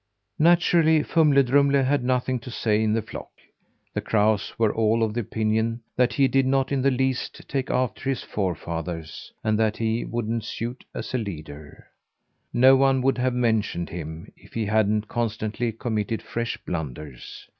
Naturally, Fumle Drumle had nothing to say in the flock. The crows were all of the opinion that he did not in the least take after his forefathers, and that he wouldn't suit as a leader. No one would have mentioned him, if he hadn't constantly committed fresh blunders.